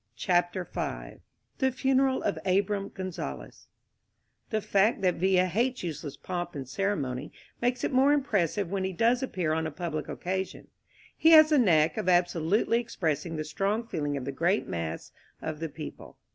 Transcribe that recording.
CHAPTER V THE FUNERAL OP ABRAM GONZALES THE fact that Villa hates useless pomp and cere mony makes it more impressive when he does appear on a public occasion. He has the knack of absolutely expressing the strong feeling of the great mass of the people.